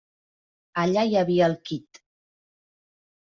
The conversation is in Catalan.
Allà hi havia el quid.